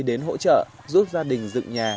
đến hỗ trợ giúp gia đình dựng nhà